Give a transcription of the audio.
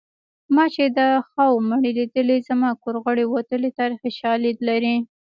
ما چې د خاوو مړي لیدلي زما کور غړي وتلي تاریخي شالید لري